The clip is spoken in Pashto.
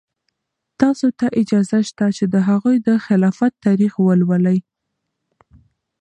تاسو ته اجازه شته چې د هغوی د خلافت تاریخ ولولئ.